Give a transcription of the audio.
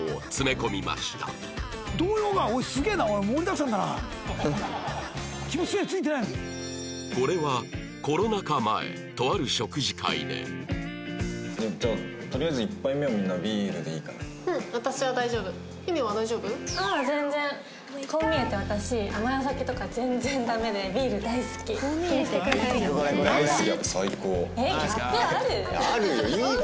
こう見えて私甘いお酒とか全然ダメでビール大好き。